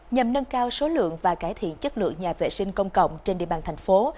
nhằm nâng cao số lượng và cải thiện chất lượng nhà vệ sinh công cộng trên địa bàn thành phố